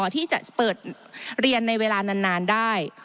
ที่จะเปิดเรียนในเวลานานได้